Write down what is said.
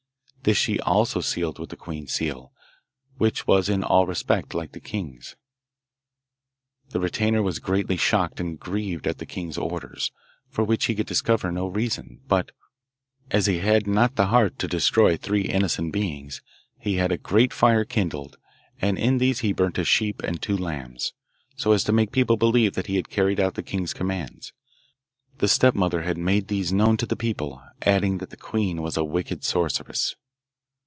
This she also sealed with the queen's seal, which was in all respects like the king's. The retainer was greatly shocked and grieved at the king's orders, for which he could discover no reason; but, as he had not the heart to destroy three innocent beings, he had a great fire kindled, and in this he burned a sheep and two lambs, so as to make people believe that he had carried out the king's commands. The stepmother had made these known to the people, adding that the queen was a wicked sorceress.